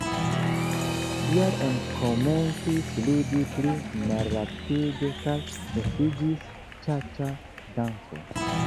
Tial oni komencis ludi pli malrapide kaj estiĝis ĉaĉa-danco.